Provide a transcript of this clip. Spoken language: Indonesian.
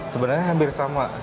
sebenarnya hampir sama